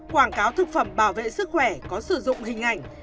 quảng cáo thực phẩm bảo vệ sức khỏe có sử dụng hình ảnh